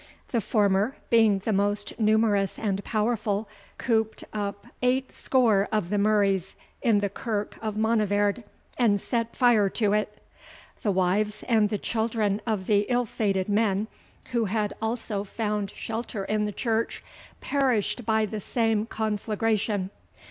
The former, being the most numerous and powerful, cooped up eight score of the Murrays in the kirk of Monivaird, and set fire to it. The wives and the children of the ill fated men, who had also found shelter in the church, perished by the same conflagration.